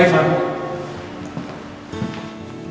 bisa minta waktunya sebentar